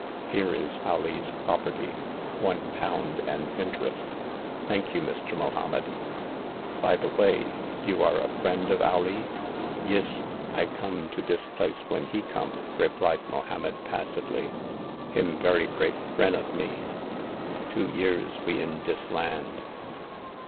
Here is Alee's property. One pound and interest. Thank you, Mr. Mohom med. By the way, you are a friend of Alee ?"Yis ; I come to dis place when he come," replied Mohommed, passively, " him very great frien' of me. Two year we in dis land."